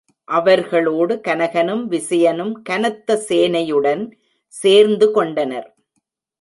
அவர்களோடு கனகனும் விசயனும் கனத்த சேனையுடன் சேர்ந்து கொண்டனர்.